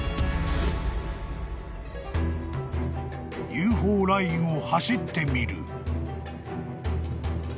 ［ＵＦＯラインを走ってみる］